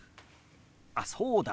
あっそうだ！